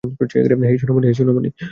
হেই, সোনামণি।